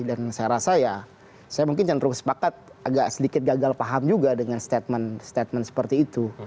dan saya rasa ya saya mungkin centrum sepakat agak sedikit gagal paham juga dengan statement statement seperti itu